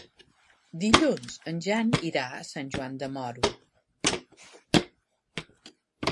Dilluns en Jan irà a Sant Joan de Moró.